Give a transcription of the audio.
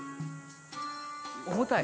重たい？